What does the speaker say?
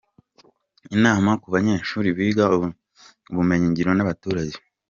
Inama ku banyeshuri biga ubumenyingiro n’abaturage.